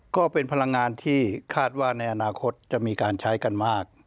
ก็เป็นพลังงานที่คาดว่าในอนาคตจะมีการใช้กันมาก